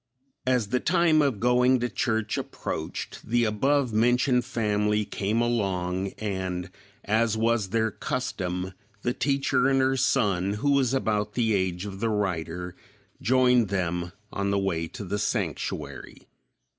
As the time of going to church approached, the above mentioned family came along, and, as was their custom, the teacher and her son, who was about the age of the writer, joined them on the way to the sanctuary.